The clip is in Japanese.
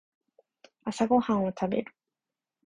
朝ごはんを食べる